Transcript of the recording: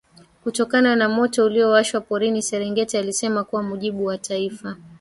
kutokana na moto uliowashwa porini Serengeti alisema kwa mujibu wa Taifa